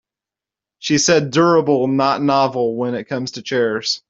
She said durable not novel when it comes to chairs.